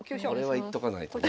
これはいっとかないとね。